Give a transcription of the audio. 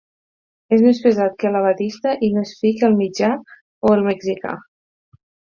És més pesat que la batista i més fi que el mitjà o el mexicà.